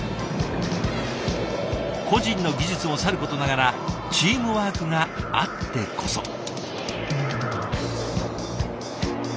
個人の技術もさることながらチームワークがあってこそ。